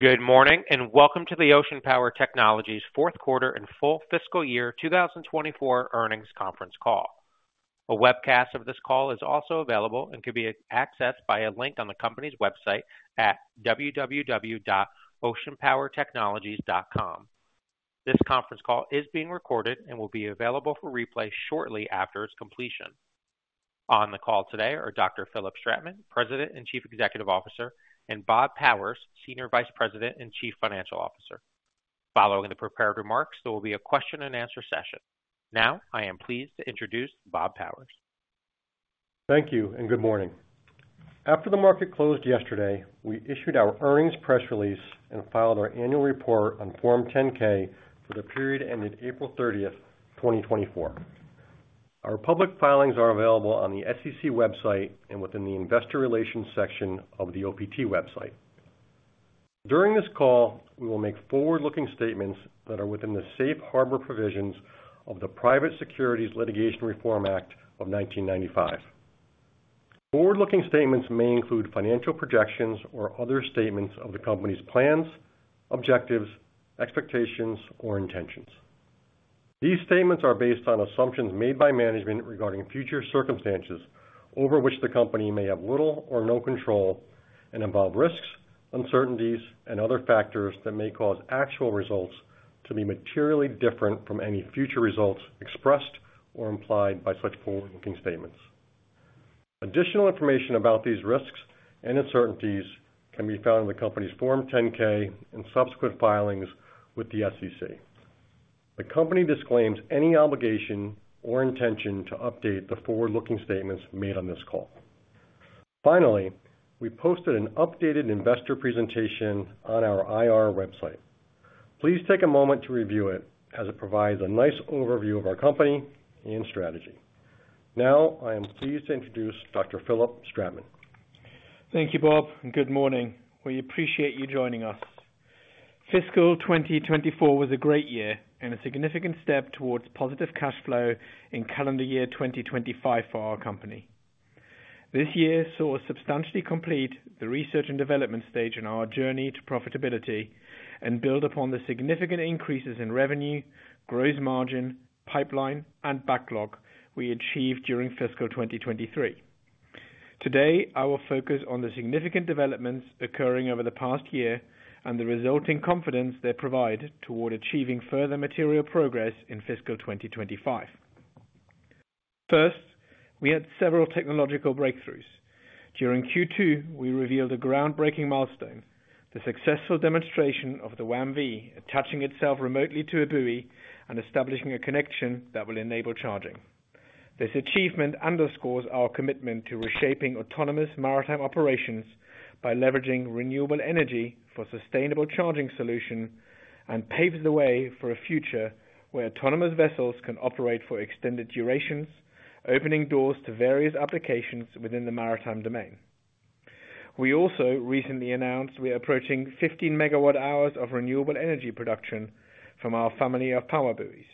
Good morning and welcome to the Ocean Power Technologies Q4 and full FY 2024 earnings conference call. A webcast of this call is also available and can be accessed by a link on the company's website at www.oceanpowertechnologies.com. This conference call is being recorded and will be available for replay shortly after its completion. On the call today are Dr. Philipp Stratmann, President and Chief Executive Officer, and Robert Powers, Senior Vice President and Chief Financial Officer. Following the prepared remarks, there will be a question and answer session. Now, I am pleased to introduce Robert Powers. Thank you and good morning. After the market closed yesterday, we issued our earnings press release and filed our annual report on Form 10-K for the period ended 30 April, 2024. Our public filings are available on the SEC website and within the investor relations section of the OPT website. During this call, we will make forward-looking statements that are within the safe harbor provisions of the Private Securities Litigation Reform Act of 1995. Forward-looking statements may include financial projections or other statements of the company's plans, objectives, expectations, or intentions. These statements are based on assumptions made by management regarding future circumstances over which the company may have little or no control and involve risks, uncertainties, and other factors that may cause actual results to be materially different from any future results expressed or implied by such forward-looking statements. Additional information about these risks and uncertainties can be found in the company's Form 10-K and subsequent filings with the SEC. The company disclaims any obligation or intention to update the forward-looking statements made on this call. Finally, we posted an updated investor presentation on our IR website. Please take a moment to review it as it provides a nice overview of our company and strategy. Now, I am pleased to introduce Dr. Philipp Stratmann. Thank you, Robert, and good morning. We appreciate you joining us. Fiscal 2024 was a great year and a significant step towards positive cash flow in calendar year 2025 for our company. This year saw us substantially complete the research and development stage in our journey to profitability and build upon the significant increases in revenue, gross margin, pipeline, and backlog we achieved during fiscal 2023. Today, I will focus on the significant developments occurring over the past year and the resulting confidence they provide toward achieving further material progress in fiscal 2025. First, we had several technological breakthroughs. During Q2, we revealed a groundbreaking milestone: the successful demonstration of the WAM-V attaching itself remotely to a buoy and establishing a connection that will enable charging. This achievement underscores our commitment to reshaping autonomous maritime operations by leveraging renewable energy for sustainable charging solutions and paves the way for a future where autonomous vessels can operate for extended durations, opening doors to various applications within the maritime domain. We also recently announced we are approaching 15 MWh of renewable energy production from our family of PowerBuoy.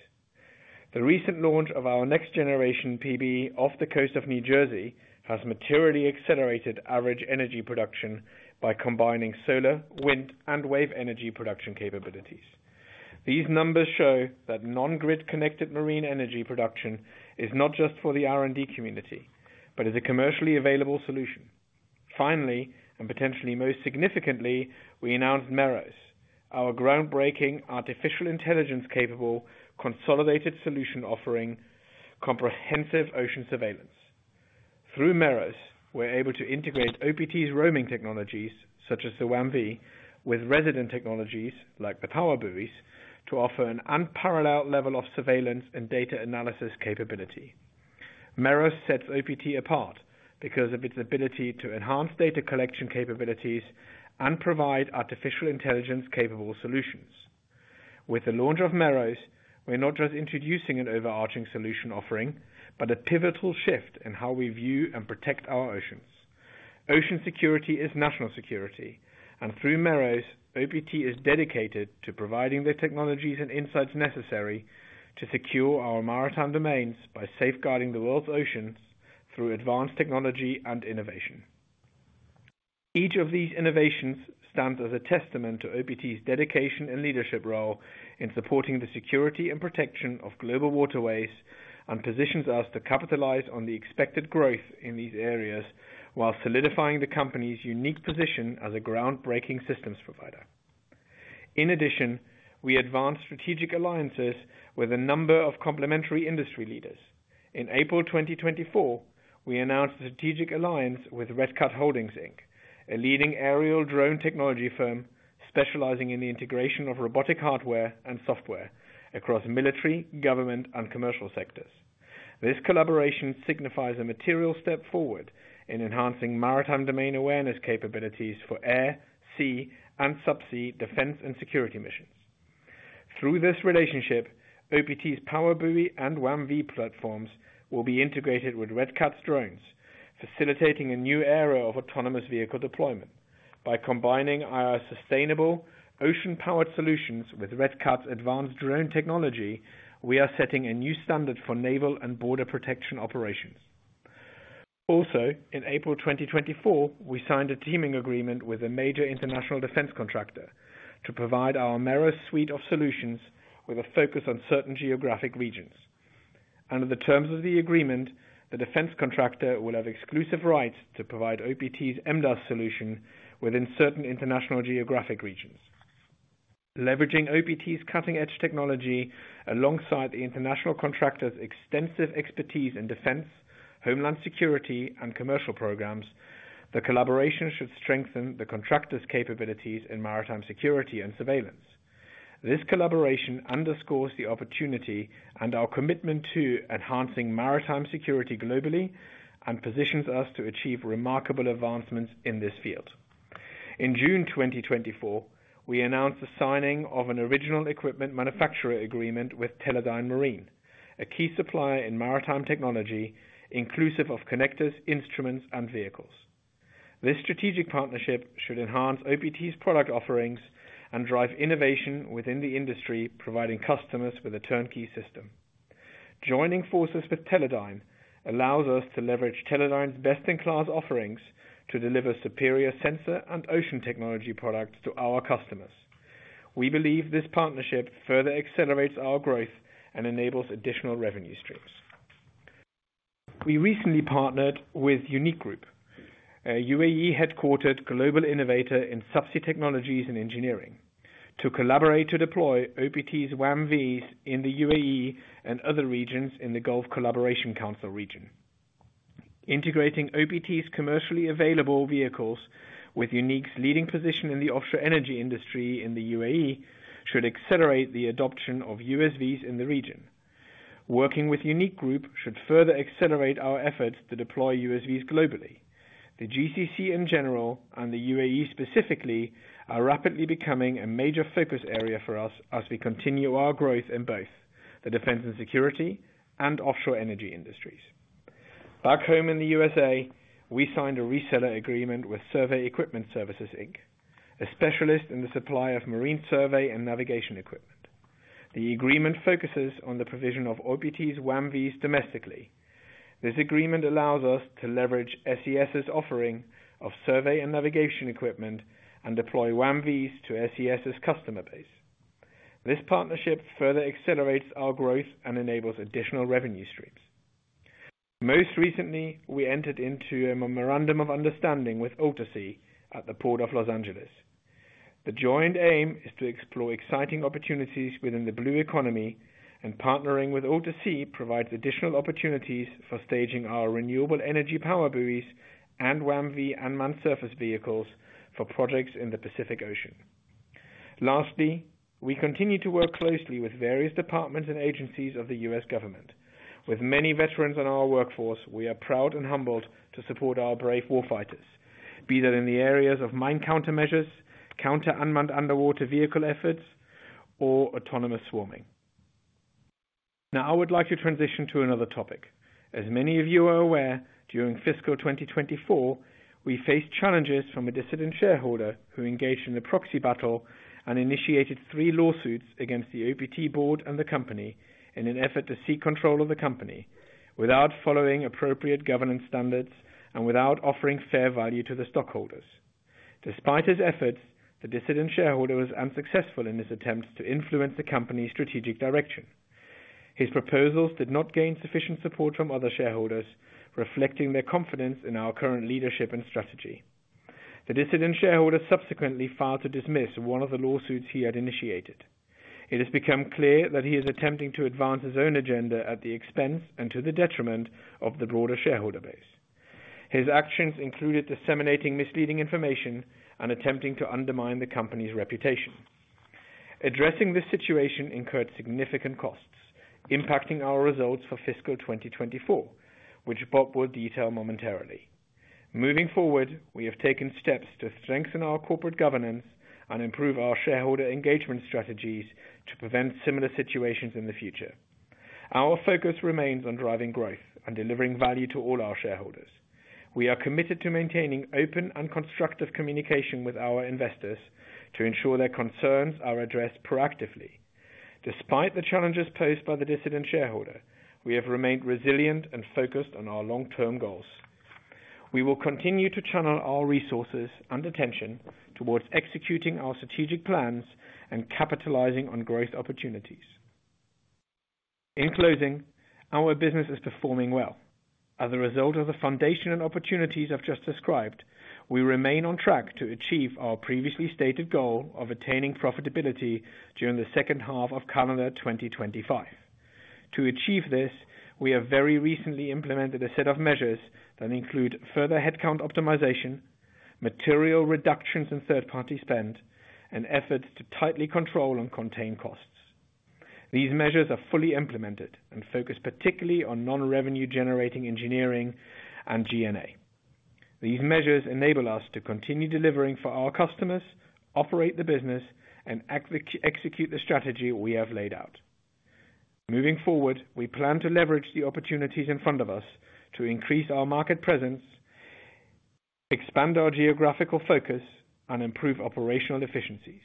The recent launch of our next-generation PB off the coast of New Jersey has materially accelerated average energy production by combining solar, wind, and wave energy production capabilities. These numbers show that non-grid connected marine energy production is not just for the R&D community, but is a commercially available solution. Finally, and potentially most significantly, we announced Merrows, our groundbreaking artificial intelligence-capable consolidated solution offering comprehensive ocean surveillance. Through Merrows, we're able to integrate OPT's roaming technologies, such as the WAM-V, with resident technologies like the PowerBuoy to offer an unparalleled level of surveillance and data analysis capability. Merrows sets OPT apart because of its ability to enhance data collection capabilities and provide artificial intelligence-capable solutions. With the launch of Merrows, we're not just introducing an overarching solution offering, but a pivotal shift in how we view and protect our oceans. Ocean security is national security, and through Merrows, OPT is dedicated to providing the technologies and insights necessary to secure our maritime domains by safeguarding the world's oceans through advanced technology and innovation. Each of these innovations stands as a testament to OPT's dedication and leadership role in supporting the security and protection of global waterways and positions us to capitalize on the expected growth in these areas while solidifying the company's unique position as a groundbreaking systems provider. In addition, we advance strategic alliances with a number of complementary industry leaders. In April 2024, we announced a strategic alliance with Red Cat Holdings Inc., a leading aerial drone technology firm specializing in the integration of robotic hardware and software across military, government, and commercial sectors. This collaboration signifies a material step forward in enhancing maritime domain awareness capabilities for air, sea, and subsea defense and security missions. Through this relationship, OPT's PowerBuoy and WAM-V platforms will be integrated with Red Cat's drones, facilitating a new era of autonomous vehicle deployment. By combining our sustainable ocean-powered solutions with Red Cat's advanced drone technology, we are setting a new standard for naval and border protection operations. Also, in April 2024, we signed a teaming agreement with a major international defense contractor to provide our Merrows suite of solutions with a focus on certain geographic regions. Under the terms of the agreement, the defense contractor will have exclusive rights to provide OPT's MaaS solution within certain international geographic regions. Leveraging OPT's cutting-edge technology alongside the international contractor's extensive expertise in defense, homeland security, and commercial programs, the collaboration should strengthen the contractor's capabilities in maritime security and surveillance. This collaboration underscores the opportunity and our commitment to enhancing maritime security globally and positions us to achieve remarkable advancements in this field. In June 2024, we announced the signing of an original equipment manufacturer agreement with Teledyne Marine, a key supplier in maritime technology, inclusive of connectors, instruments, and vehicles. This strategic partnership should enhance OPT's product offerings and drive innovation within the industry, providing customers with a turnkey system. Joining forces with Teledyne allows us to leverage Teledyne's best-in-class offerings to deliver superior sensor and ocean technology products to our customers. We believe this partnership further accelerates our growth and enables additional revenue streams. We recently partnered with Unique Group, a UAE-headquartered global innovator in subsea technologies and engineering, to collaborate to deploy OPT's WAM-Vs in the UAE and other regions in the Gulf Cooperation Council region. Integrating OPT's commercially available vehicles with Unique's leading position in the offshore energy industry in the UAE should accelerate the adoption of USVs in the region. Working with Unique Group should further accelerate our efforts to deploy USVs globally. The GCC in general and the UAE specifically are rapidly becoming a major focus area for us as we continue our growth in both the defense and security and offshore energy industries. Back home in the USA, we signed a reseller agreement with Survey Equipment Services, Inc., a specialist in the supply of marine survey and navigation equipment. The agreement focuses on the provision of OPT's WAM-Vs domestically. This agreement allows us to leverage SES's offering of survey and navigation equipment and deploy WAM-Vs to SES's customer base. This partnership further accelerates our growth and enables additional revenue streams. Most recently, we entered into a memorandum of understanding with AltaSea at the Port of Los Angeles. The joint aim is to explore exciting opportunities within the blue economy, and partnering with AltaSea provides additional opportunities for staging our renewable energy power buoys and WAM-V and manned surface vehicles for projects in the Pacific Ocean. Lastly, we continue to work closely with various departments and agencies of the U.S. government. With many veterans in our workforce, we are proud and humbled to support our brave warfighters, be that in the areas of mine countermeasures, counter unmanned underwater vehicle efforts, or autonomous swarming. Now, I would like to transition to another topic. As many of you are aware, during fiscal 2024, we faced challenges from a dissident shareholder who engaged in a proxy battle and initiated three lawsuits against the OPT board and the company in an effort to seek control of the company without following appropriate governance standards and without offering fair value to the stockholders. Despite his efforts, the dissident shareholder was unsuccessful in his attempts to influence the company's strategic direction. His proposals did not gain sufficient support from other shareholders, reflecting their confidence in our current leadership and strategy. The dissident shareholder subsequently filed to dismiss one of the lawsuits he had initiated. It has become clear that he is attempting to advance his own agenda at the expense and to the detriment of the broader shareholder base. His actions included disseminating misleading information and attempting to undermine the company's reputation. Addressing this situation incurred significant costs, impacting our results for fiscal 2024, which Robert will detail momentarily. Moving forward, we have taken steps to strengthen our corporate governance and improve our shareholder engagement strategies to prevent similar situations in the future. Our focus remains on driving growth and delivering value to all our shareholders. We are committed to maintaining open and constructive communication with our investors to ensure their concerns are addressed proactively. Despite the challenges posed by the dissident shareholder, we have remained resilient and focused on our long-term goals. We will continue to channel our resources and attention towards executing our strategic plans and capitalizing on growth opportunities. In closing, our business is performing well. As a result of the foundation and opportunities I've just described, we remain on track to achieve our previously stated goal of attaining profitability during the H2 of calendar 2025. To achieve this, we have very recently implemented a set of measures that include further headcount optimization, material reductions in third-party spend, and efforts to tightly control and contain costs. These measures are fully implemented and focus particularly on non-revenue-generating engineering and G&A. These measures enable us to continue delivering for our customers, operate the business, and execute the strategy we have laid out. Moving forward, we plan to leverage the opportunities in front of us to increase our market presence, expand our geographical focus, and improve operational efficiencies.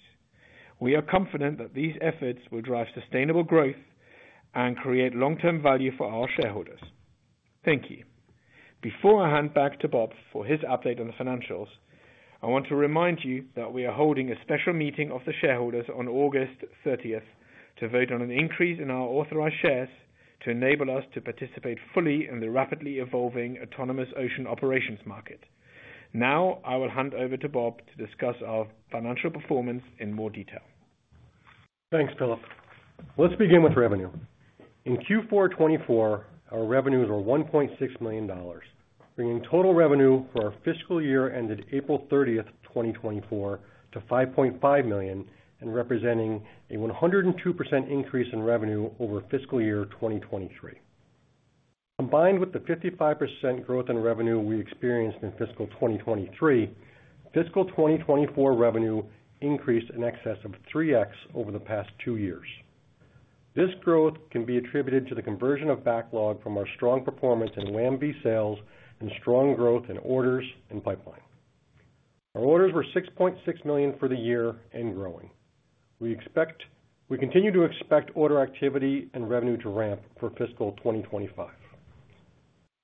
We are confident that these efforts will drive sustainable growth and create long-term value for our shareholders. Thank you. Before I hand back to Robert for his update on the financials, I want to remind you that we are holding a special meeting of the shareholders on August 30th to vote on an increase in our authorized shares to enable us to participate fully in the rapidly evolving autonomous ocean operations market. Now, I will hand over to Robert to discuss our financial performance in more detail. Thanks, Philipp. Let's begin with revenue. In Q4 2024, our revenues were $1.6 million, bringing total revenue for our fiscal year ended April 30th, 2024, to $5.5 million and representing a 102% increase in revenue over fiscal year 2023. Combined with the 55% growth in revenue we experienced in fiscal 2023, fiscal 2024 revenue increased in excess of 3x over the past two years. This growth can be attributed to the conversion of backlog from our strong performance in WAM-V sales and strong growth in orders and pipeline. Our orders were $6.6 million for the year and growing. We continue to expect order activity and revenue to ramp for fiscal 2025.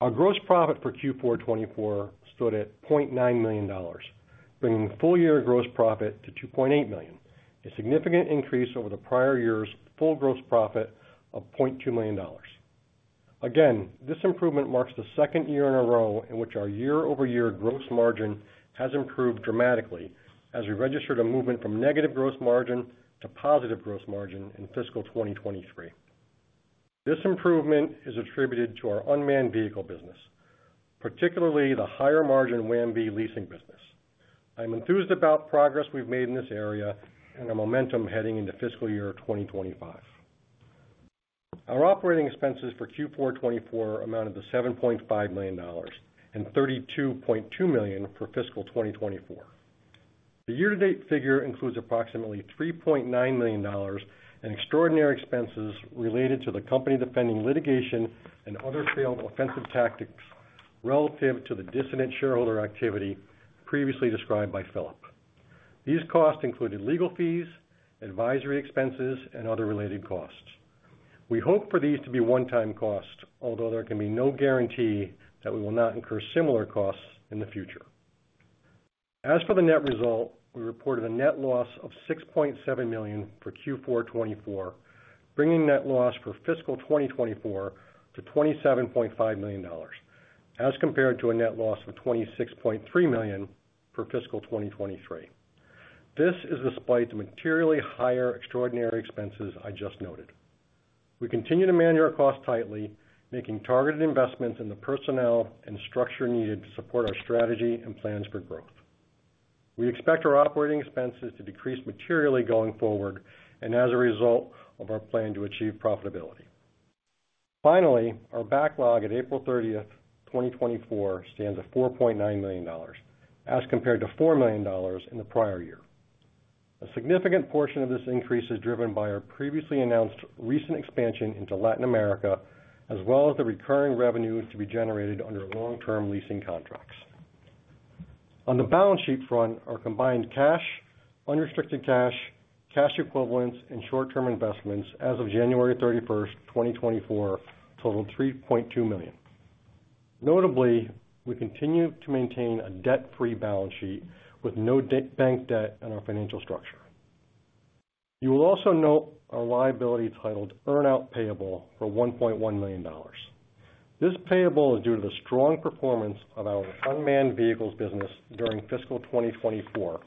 Our gross profit for Q4 2024 stood at $0.9 million, bringing full-year gross profit to $2.8 million, a significant increase over the prior year's full gross profit of $0.2 million. Again, this improvement marks the second year in a row in which our year-over-year gross margin has improved dramatically as we registered a movement from negative gross margin to positive gross margin in fiscal 2023. This improvement is attributed to our unmanned vehicle business, particularly the higher-margin WAM-V leasing business. I'm enthused about progress we've made in this area and our momentum heading into fiscal year 2025. Our operating expenses for Q4 2024 amounted to $7.5 million and $32.2 million for fiscal 2024. The year-to-date figure includes approximately $3.9 million in extraordinary expenses related to the company defending litigation and other failed offensive tactics relative to the dissident shareholder activity previously described by Philipp. These costs included legal fees, advisory expenses, and other related costs. We hope for these to be one-time costs, although there can be no guarantee that we will not incur similar costs in the future. As for the net result, we reported a net loss of $6.7 million for Q4 2024, bringing net loss for fiscal 2024 to $27.5 million as compared to a net loss of $26.3 million for fiscal 2023. This is despite the materially higher extraordinary expenses I just noted. We continue to manage our costs tightly, making targeted investments in the personnel and structure needed to support our strategy and plans for growth. We expect our operating expenses to decrease materially going forward and as a result of our plan to achieve profitability. Finally, our backlog at 30 April, 2024, stands at $4.9 million as compared to $4 million in the prior year. A significant portion of this increase is driven by our previously announced recent expansion into Latin America, as well as the recurring revenue to be generated under long-term leasing contracts. On the balance sheet front, our combined cash, unrestricted cash, cash equivalents, and short-term investments as of January 31st, 2024, total $3.2 million. Notably, we continue to maintain a debt-free balance sheet with no bank debt in our financial structure. You will also note our liability titled Earn-Out Payable for $1.1 million. This payable is due to the strong performance of our unmanned vehicles business during fiscal 2024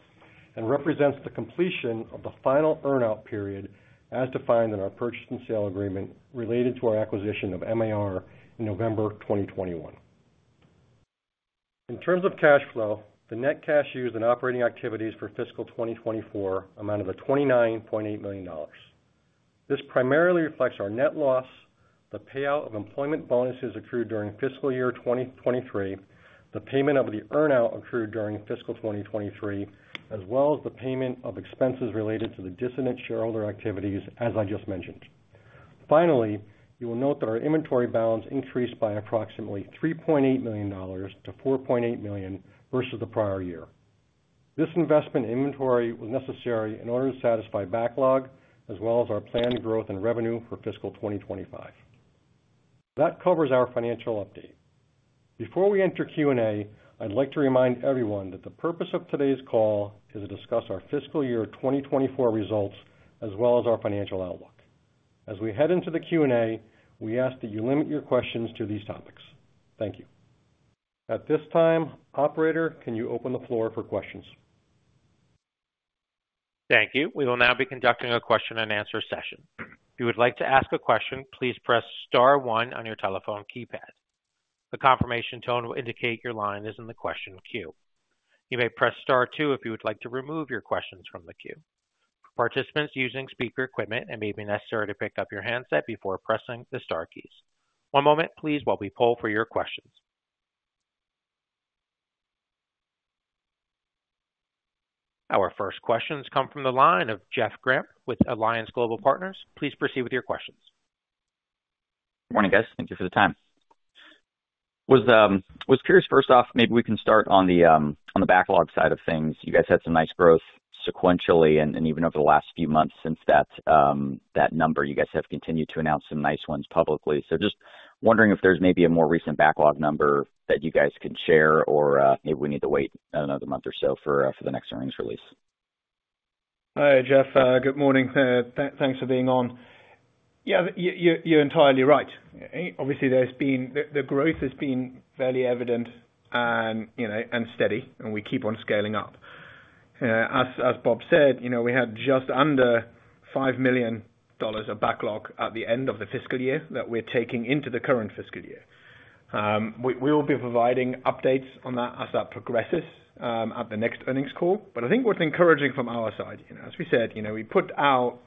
and represents the completion of the final earn-out period as defined in our purchase and sale agreement related to our acquisition of MAR in November 2021. In terms of cash flow, the net cash used in operating activities for fiscal 2024 amounted to $29.8 million. This primarily reflects our net loss, the payout of employment bonuses accrued during fiscal year 2023, the payment of the earn-out accrued during fiscal 2023, as well as the payment of expenses related to the dissident shareholder activities, as I just mentioned. Finally, you will note that our inventory balance increased by approximately $3.8 million to $4.8 million versus the prior year. This investment in inventory was necessary in order to satisfy backlog, as well as our planned growth in revenue for fiscal 2025. That covers our financial update. Before we enter Q&A, I'd like to remind everyone that the purpose of today's call is to discuss our fiscal year 2024 results as well as our financial outlook. As we head into the Q&A, we ask that you limit your questions to these topics. Thank you. At this time, Operator, can you open the floor for questions? Thank you. We will now be conducting a question-and-answer session. If you would like to ask a question, please press Star 1 on your telephone keypad. The confirmation tone will indicate your line is in the question queue. You may press Star 2 if you would like to remove your questions from the queue. Participants using speaker equipment may be necessary to pick up your handset before pressing the Star keys. One moment, please, while we poll for your questions. Our first questions come from the line of Jeff Gramp with Compass Point Research & Trading. Please proceed with your questions. Good morning, guys. Thank you for the time. I was curious, first off, maybe we can start on the backlog side of things. You guys had some nice growth sequentially and even over the last few months since that number. You guys have continued to announce some nice ones publicly. So just wondering if there's maybe a more recent backlog number that you guys can share or maybe we need to wait another month or so for the next earnings release. Hi, Jeff. Good morning. Thanks for being on. Yeah, you're entirely right. Obviously, the growth has been fairly evident and steady, and we keep on scaling up. As Robert said, we had just under $5 million of backlog at the end of the fiscal year that we're taking into the current fiscal year. We will be providing updates on that as that progresses at the next earnings call. But I think what's encouraging from our side, as we said, we put out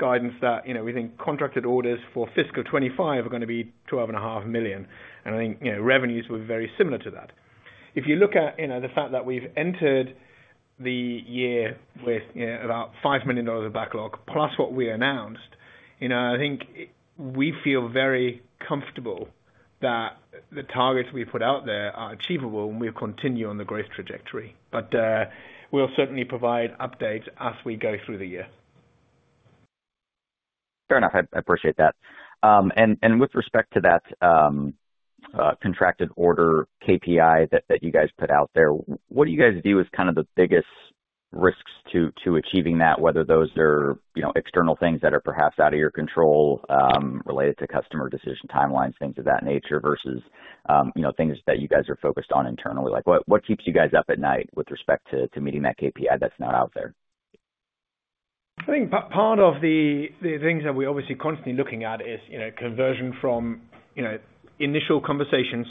guidance that we think contracted orders for fiscal 2025 are going to be $12.5 million. And I think revenues were very similar to that. If you look at the fact that we've entered the year with about $5 million of backlog plus what we announced, I think we feel very comfortable that the targets we put out there are achievable and we'll continue on the growth trajectory. But we'll certainly provide updates as we go through the year. Fair enough. I appreciate that. And with respect to that contracted order KPI that you guys put out there, what do you guys view as kind of the biggest risks to achieving that, whether those are external things that are perhaps out of your control related to customer decision timelines, things of that nature, versus things that you guys are focused on internally? What keeps you guys up at night with respect to meeting that KPI that's not out there? I think part of the things that we're obviously constantly looking at is conversion from initial conversations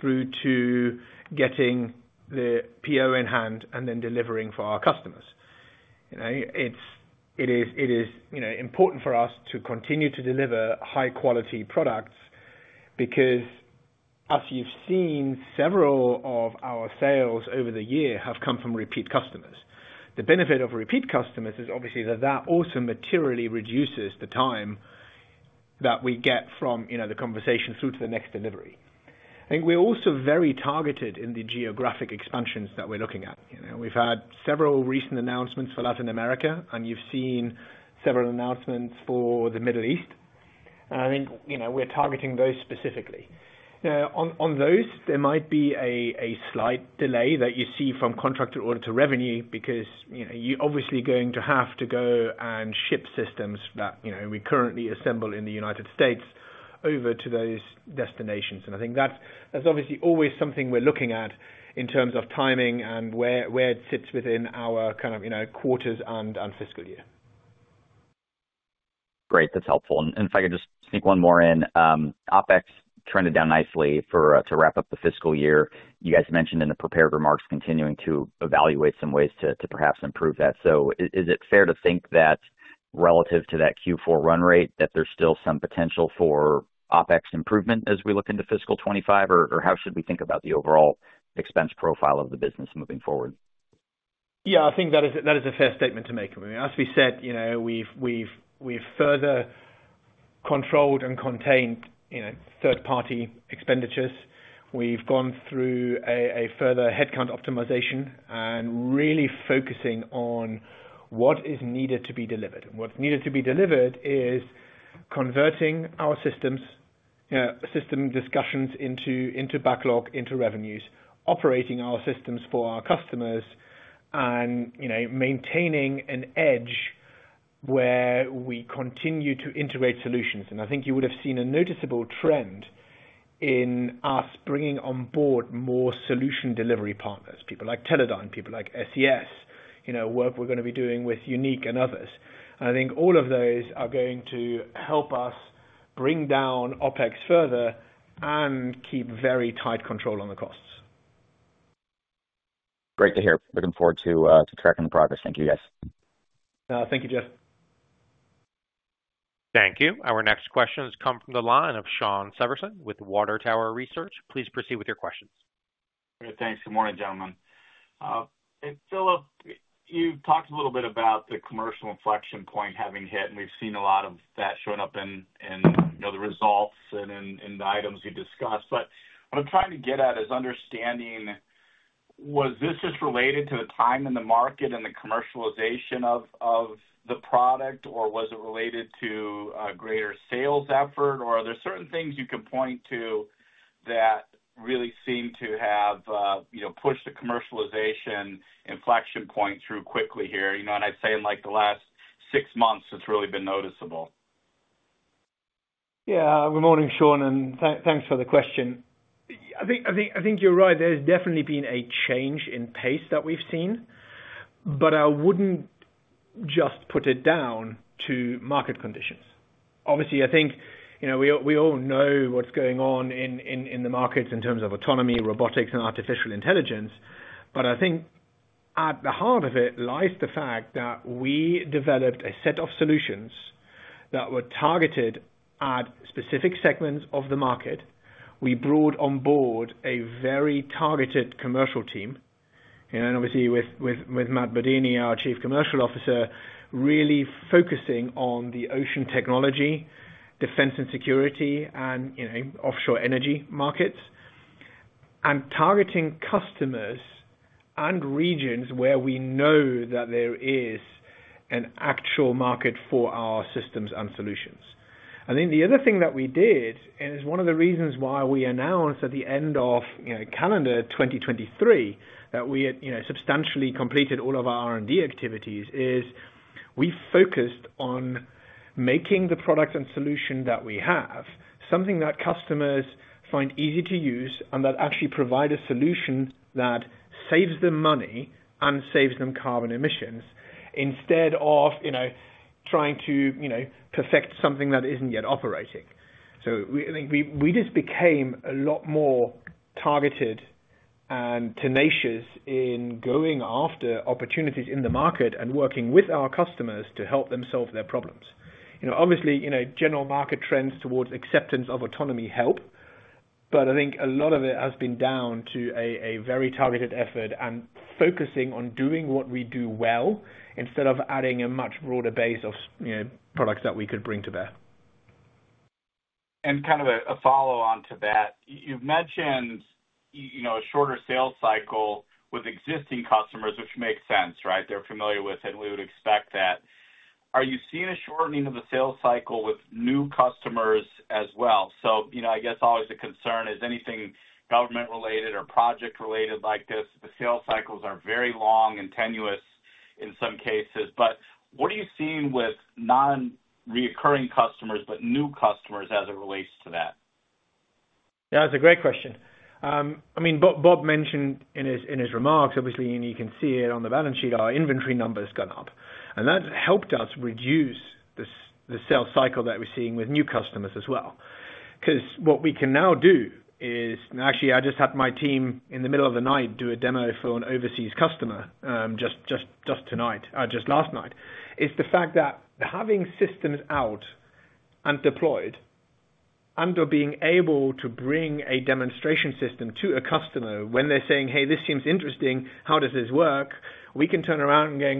through to getting the PO in hand and then delivering for our customers. It is important for us to continue to deliver high-quality products because, as you've seen, several of our sales over the year have come from repeat customers. The benefit of repeat customers is obviously that that also materially reduces the time that we get from the conversation through to the next delivery. I think we're also very targeted in the geographic expansions that we're looking at. We've had several recent announcements for Latin America, and you've seen several announcements for the Middle East. I think we're targeting those specifically. On those, there might be a slight delay that you see from contracted order to revenue because you're obviously going to have to go and ship systems that we currently assemble in the United States over to those destinations. And I think that's obviously always something we're looking at in terms of timing and where it sits within our kind of quarters and fiscal year. Great. That's helpful. And if I could just sneak one more in, OpEx trended down nicely to wrap up the fiscal year. You guys mentioned in the prepared remarks continuing to evaluate some ways to perhaps improve that. So is it fair to think that relative to that Q4 run rate that there's still some potential for OpEx improvement as we look into fiscal 2025? Or how should we think about the overall expense profile of the business moving forward? Yeah, I think that is a fair statement to make. As we said, we've further controlled and contained third-party expenditures. We've gone through a further headcount optimization and really focusing on what is needed to be delivered. And what's needed to be delivered is converting our systems, system discussions into backlog, into revenues, operating our systems for our customers, and maintaining an edge where we continue to integrate solutions. And I think you would have seen a noticeable trend in us bringing on board more solution delivery partners, people like Teledyne, people like SES, work we're going to be doing with Unique and others. And I think all of those are going to help us bring down OpEx further and keep very tight control on the costs. Great to hear. Looking forward to tracking the progress. Thank you, guys. Thank you, Jeff. Thank you. Our next questions come from the line of Shawn Severson with Water Tower Research. Please proceed with your questions. Thanks. Good morning, gentlemen. Philipp, you talked a little bit about the commercial inflection point having hit, and we've seen a lot of that showing up in the results and in the items we discussed. But what I'm trying to get at is understanding, was this just related to the time in the market and the commercialization of the product, or was it related to a greater sales effort? Or are there certain things you can point to that really seem to have pushed the commercialization inflection point through quickly here? And I'd say in the last six months, it's really been noticeable. Yeah. Good morning, Shawn. And thanks for the question. I think you're right. There's definitely been a change in pace that we've seen, but I wouldn't just put it down to market conditions. Obviously, I think we all know what's going on in the markets in terms of autonomy, robotics, and artificial intelligence. But I think at the heart of it lies the fact that we developed a set of solutions that were targeted at specific segments of the market. We brought on board a very targeted commercial team. Obviously, with Matt Barra, our Chief Commercial Officer, really focusing on the ocean technology, defense and security, and offshore energy markets, and targeting customers and regions where we know that there is an actual market for our systems and solutions. I think the other thing that we did, and it's one of the reasons why we announced at the end of calendar 2023 that we had substantially completed all of our R&D activities, is we focused on making the product and solution that we have something that customers find easy to use and that actually provides a solution that saves them money and saves them carbon emissions instead of trying to perfect something that isn't yet operating. So I think we just became a lot more targeted and tenacious in going after opportunities in the market and working with our customers to help them solve their problems. Obviously, general market trends towards acceptance of autonomy help, but I think a lot of it has been down to a very targeted effort and focusing on doing what we do well instead of adding a much broader base of products that we could bring to bear., And kind of a follow-on to that, you've mentioned a shorter sales cycle with existing customers, which makes sense, right? They're familiar with it, and we would expect that. Are you seeing a shortening of the sales cycle with new customers as well? So I guess always the concern is anything government-related or project-related like this. The sales cycles are very long and tenuous in some cases. But what are you seeing with non-recurring customers but new customers as it relates to that? Yeah, that's a great question. I mean, Robert mentioned in his remarks, obviously, and you can see it on the balance sheet, our inventory numbers gone up. That helped us reduce the sales cycle that we're seeing with new customers as well. Because what we can now do is, and actually, I just had my team in the middle of the night do a demo for an overseas customer just last night, is the fact that having systems out and deployed and being able to bring a demonstration system to a customer when they're saying, "Hey, this seems interesting. How does this work?" We can turn around and go,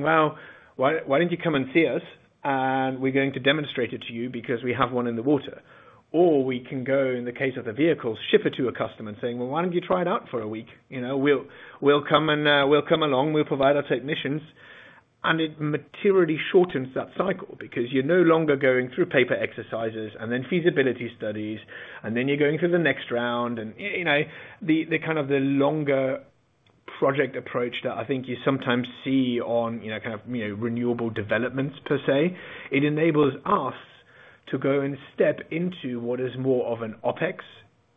"Well, why don't you come and see us, and we're going to demonstrate it to you because we have one in the water." Or we can go, in the case of the vehicles, ship it to a customer and say, "Well, why don't you try it out for a week? We'll come along. We'll provide our technicians." And it materially shortens that cycle because you're no longer going through paper exercises and then feasibility studies, and then you're going through the next round. And kind of the longer project approach that I think you sometimes see on kind of renewable developments, per se, it enables us to go and step into what is more of an OpEx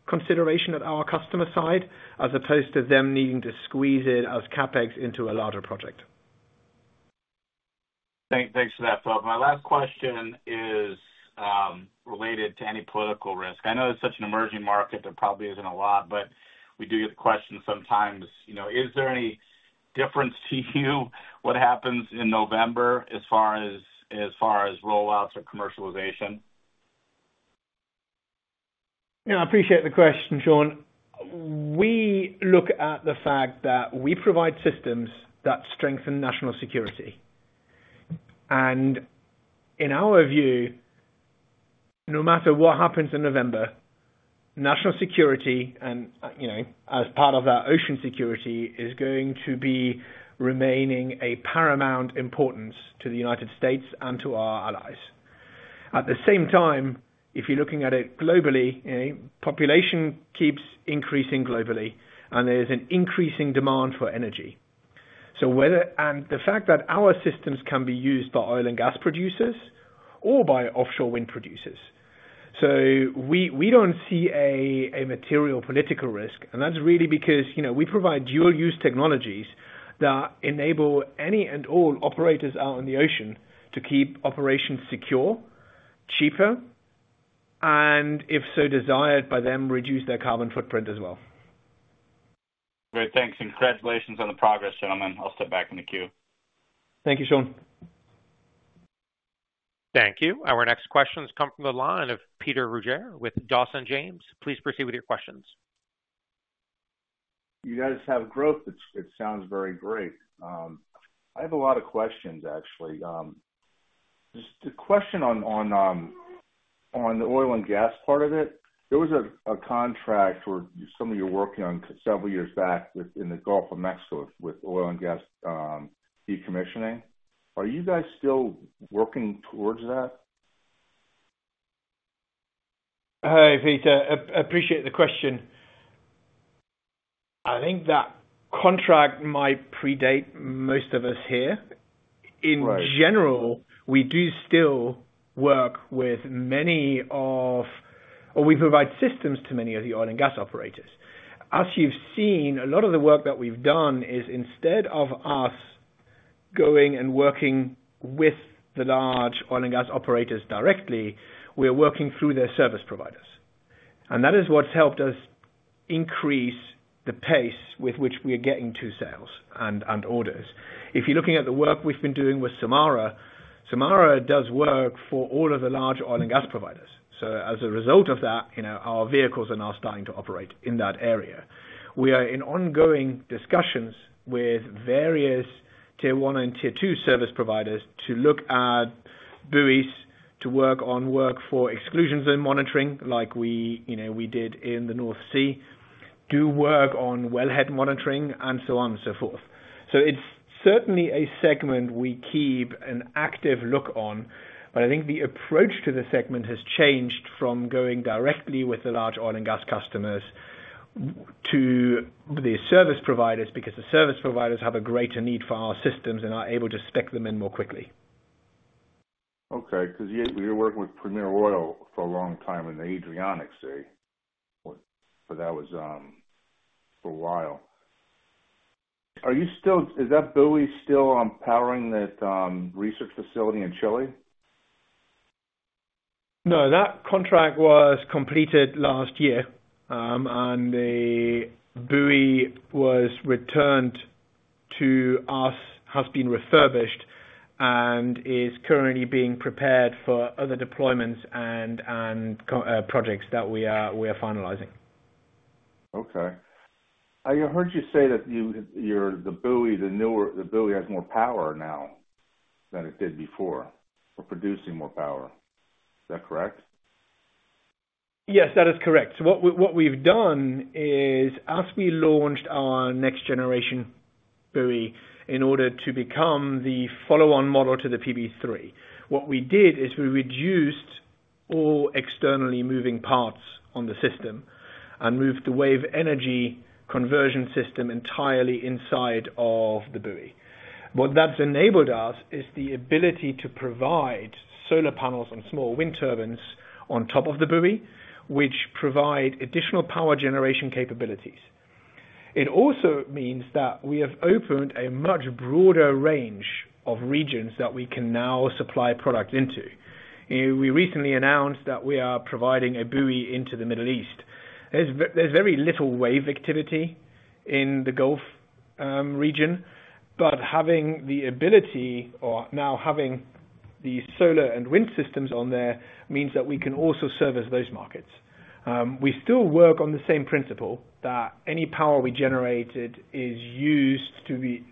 consideration at our customer side as opposed to them needing to squeeze it as CapEx into a larger project. Thanks for that, Philipp. My last question is related to any political risk. I know it's such an emerging market, there probably isn't a lot, but we do get the question sometimes. Is there any difference to you what happens in November as far as rollouts or commercialization? Yeah, I appreciate the question, Shawn. We look at the fact that we provide systems that strengthen national security. And in our view, no matter what happens in November, national security, and as part of that, ocean security is going to be remaining a paramount importance to the United States and to our allies. At the same time, if you're looking at it globally, population keeps increasing globally, and there's an increasing demand for energy. And the fact that our systems can be used by oil and gas producers or by offshore wind producers. So we don't see a material political risk. And that's really because we provide dual-use technologies that enable any and all operators out in the ocean to keep operations secure, cheaper, and, if so desired by them, reduce their carbon footprint as well. Great. Thanks. And congratulations on the progress, gentlemen. I'll step back in the queue. Thank you, Shawn. Thank you. Our next questions come from the line of Peter Ruggiere with Dawson James. Please proceed with your questions. You guys have growth. It sounds very great. I have a lot of questions, actually. Just a question on the oil and gas part of it. There was a contract where some of you were working on several years back in the Gulf of Mexico with oil and gas decommissioning. Are you guys still working towards that? Hey, Peter. Appreciate the question. I think that contract might predate most of us here. In general, we do still work with many of our. We provide systems to many of the oil and gas operators. As you've seen, a lot of the work that we've done is instead of us going and working with the large oil and gas operators directly, we're working through their service providers. That is what's helped us increase the pace with which we are getting to sales and orders. If you're looking at the work we've been doing with Sulmara, Sulmara does work for all of the large oil and gas providers. As a result of that, our vehicles are now starting to operate in that area. We are in ongoing discussions with various tier-one and tier-two service providers to look at buoys to work on work for exclusions and monitoring like we did in the North Sea, do work on wellhead monitoring, and so on and so forth. So it's certainly a segment we keep an active look on. But I think the approach to the segment has changed from going directly with the large oil and gas customers to the service providers because the service providers have a greater need for our systems and are able to spec them in more quickly. Okay. Because you were working with Premier Oil for a long time in the Adriatic, say, but that was for a while. Is that buoy still powering that research facility in Chile? No, that contract was completed last year, and the buoy was returned to us, has been refurbished, and is currently being prepared for other deployments and projects that we are finalizing. Okay. I heard you say that the buoy has more power now than it did before for producing more power. Is that correct? Yes, that is correct. So what we've done is, as we launched our next-generation buoy in order to become the follow-on model to the PB3, what we did is we reduced all externally moving parts on the system and moved the wave energy conversion system entirely inside of the buoy. What that's enabled us is the ability to provide solar panels and small wind turbines on top of the buoy, which provide additional power generation capabilities. It also means that we have opened a much broader range of regions that we can now supply product into. We recently announced that we are providing a buoy into the Middle East. There's very little wave activity in the Gulf region, but having the ability or now having the solar and wind systems on there means that we can also service those markets. We still work on the same principle that any power we generated is used to be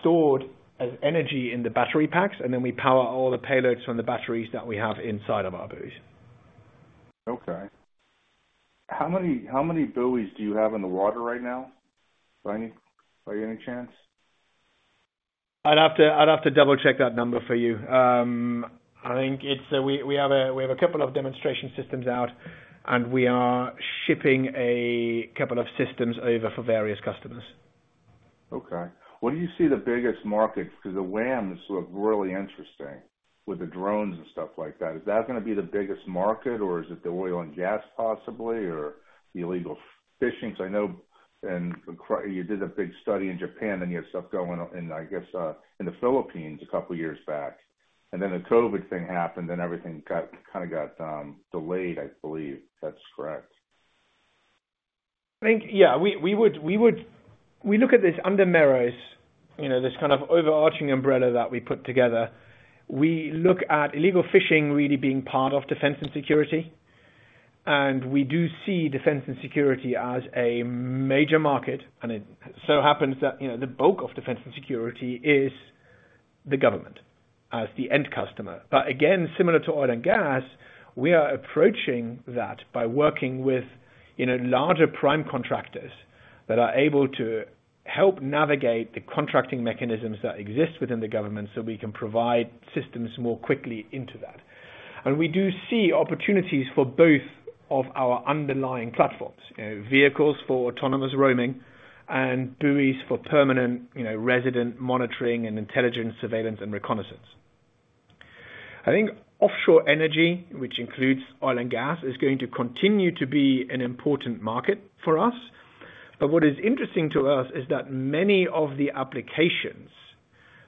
stored as energy in the battery packs, and then we power all the payloads from the batteries that we have inside of our buoys. Okay. How many buoys do you have in the water right now, by any chance? I'd have to double-check that number for you. I think we have a couple of demonstration systems out, and we are shipping a couple of systems over for various customers. Okay. What do you see the biggest market? Because the WAM is really interesting with the drones and stuff like that. Is that going to be the biggest market, or is it the oil and gas possibly, or illegal fishing? Because I know you did a big study in Japan, and you had stuff going on in, I guess, in the Philippines a couple of years back. And then the COVID thing happened, and everything kind of got delayed, I believe. That's correct. I think, yeah, we look at this under Merrows, this kind of overarching umbrella that we put together. We look at illegal fishing really being part of defense and security. And we do see defense and security as a major market. And it so happens that the bulk of defense and security is the government as the end customer. But again, similar to oil and gas, we are approaching that by working with larger prime contractors that are able to help navigate the contracting mechanisms that exist within the government so we can provide systems more quickly into that. And we do see opportunities for both of our underlying platforms, vehicles for autonomous roaming and buoys for permanent resident monitoring and intelligence surveillance and reconnaissance. I think offshore energy, which includes oil and gas, is going to continue to be an important market for us. But what is interesting to us is that many of the applications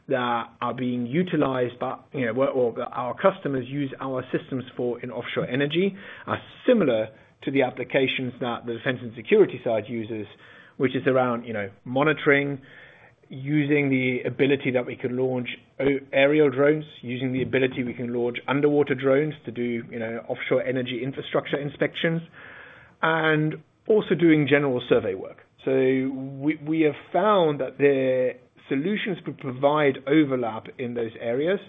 that are being utilized by or that our customers use our systems for in offshore energy are similar to the applications that the defense and security side uses, which is around monitoring, using the ability that we can launch aerial drones, using the ability we can launch underwater drones to do offshore energy infrastructure inspections, and also doing general survey work. So we have found that the solutions could provide overlap in those areas,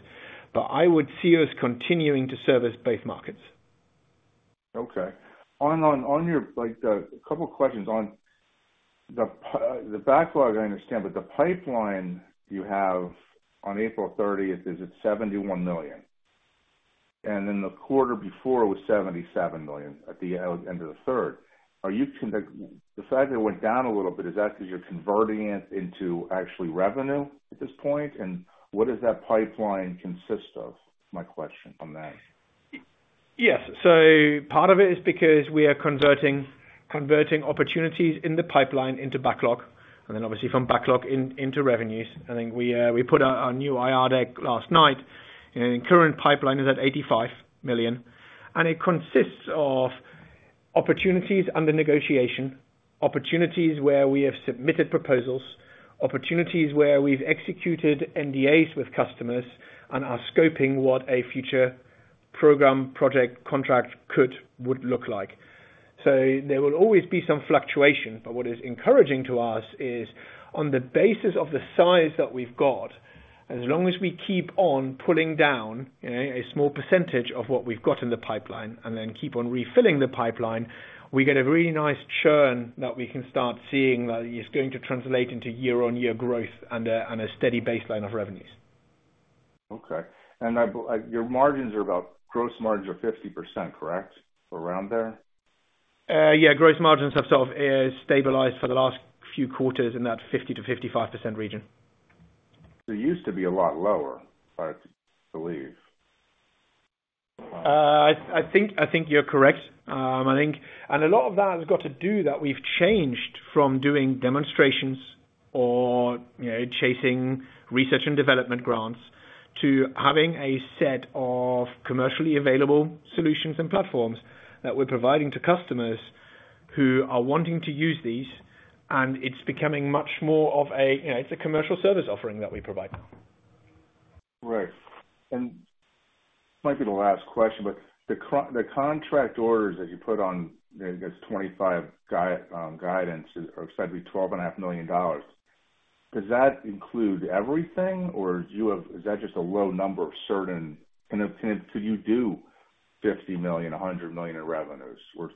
but I would see us continuing to service both markets. Okay. On your a couple of questions on the backlog, I understand, but the pipeline you have on 30 April is at $71 million. And then the quarter before was $77 million at the end of the third. The fact that it went down a little bit, is that because you're converting it into actually revenue at this point? And what does that pipeline consist of? My question on that. Yes. So part of it is because we are converting opportunities in the pipeline into backlog, and then obviously from backlog into revenues. I think we put out our new IRDEC last night. And the current pipeline is at $85 million. And it consists of opportunities under negotiation, opportunities where we have submitted proposals, opportunities where we've executed NDAs with customers, and are scoping what a future program project contract could would look like. So there will always be some fluctuation. But what is encouraging to us is, on the basis of the size that we've got, as long as we keep on pulling down a small percentage of what we've got in the pipeline and then keep on refilling the pipeline, we get a really nice churn that we can start seeing that is going to translate into year-on-year growth and a steady baseline of revenues. Okay. And your margins are about gross margins are 50%, correct? Around there? Yeah. Gross margins have sort of stabilized for the last few quarters in that 50%-55% region. There used to be a lot lower, I believe. I think you're correct. A lot of that has got to do that we've changed from doing demonstrations or chasing research and development grants to having a set of commercially available solutions and platforms that we're providing to customers who are wanting to use these. It's becoming much more of a it's a commercial service offering that we provide now. Right. This might be the last question, but the contract orders that you put on, I guess, 25 guidance are said to be $12.5 million. Does that include everything, or is that just a low number of certain can you do $50 million, $100 million in revenues? Or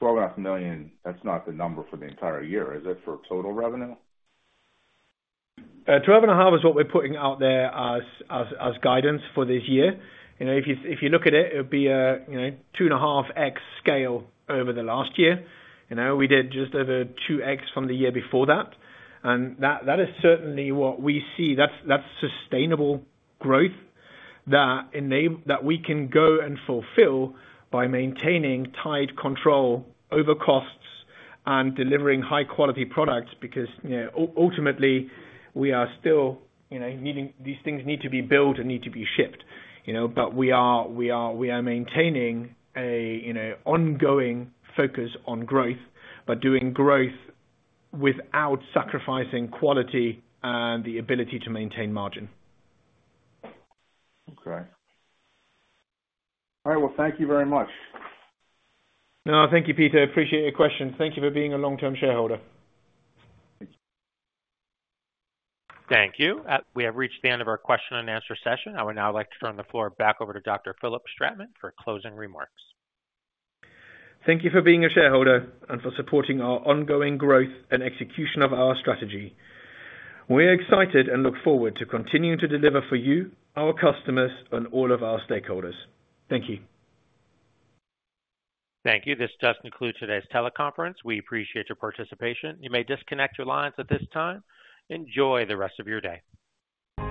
just $12.5 million, that's not the number for the entire year. Is it for total revenue? $12.5 million is what we're putting out there as guidance for this year. If you look at it, it would be a 2.5x scale over the last year. We did just over 2x from the year before that. That is certainly what we see. That's sustainable growth that we can go and fulfill by maintaining tight control over costs and delivering high-quality products because ultimately, we are still needing these things need to be built and need to be shipped. We are maintaining an ongoing focus on growth, but doing growth without sacrificing quality and the ability to maintain margin. Okay. All right. Well, thank you very much. No, thank you, Peter. Appreciate your questions. Thank you for being a long-term shareholder. Thank you. Thank you. We have reached the end of our question and answer session. I would now like to turn the floor back over to Dr. Philipp Stratmann for closing remarks. Thank you for being a shareholder and for supporting our ongoing growth and execution of our strategy. We are excited and look forward to continuing to deliver for you, our customers, and all of our stakeholders. Thank you. Thank you. This does conclude today's teleconference. We appreciate your participation. You may disconnect your lines at this time. Enjoy the rest of your day.